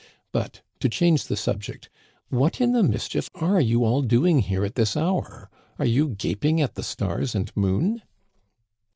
But, to change the subject, what in the mischief are you all doing here at this hour ? Are you gaping at the stars and moon